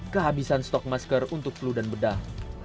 kehabisan stok masker untuk flu dan bedah